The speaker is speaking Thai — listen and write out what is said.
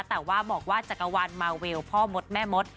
แต่ว่าบอกว่าจักรวาลมาเวลพ่อมดแม่มด